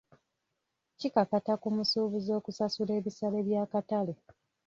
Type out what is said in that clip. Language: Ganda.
Kikakata ku musuubuzi okusasula ebisale by'akatale.